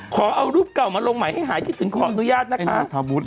ขอเอารูปเก่ามาลงใหม่ให้หายคิดถึงขออนุญาตนะคะ